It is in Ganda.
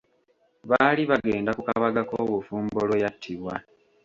Baali bagenda ku kabaga k'obufumbo lwe yattibwa.